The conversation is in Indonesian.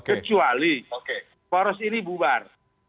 kecuali poros ini bubar